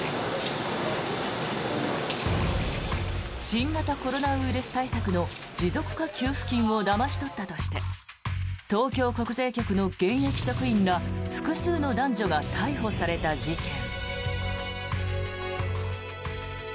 新型コロナウイルス対策の持続化給付金をだまし取ったとして東京国税局の現役職員ら複数の男女が逮捕された事件。